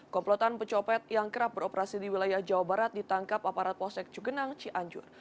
komplotan pecopet yang kerap beroperasi di wilayah jawa barat ditangkap aparat posek cugenang cianjur